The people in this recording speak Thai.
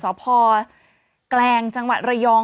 สพแกลงจังหวัดระยอง